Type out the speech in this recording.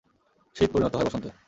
শীত পরিণত হয় বসন্তে।